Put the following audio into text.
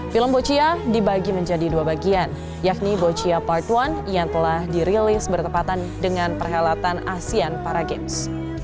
film bochia dibagi menjadi dua bagian yakni bochia part satu yang telah dirilis bertepatan dengan perhelatan asean paragames